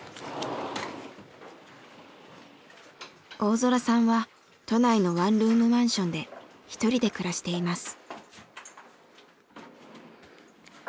大空さんは都内のワンルームマンションで１人で暮らしています。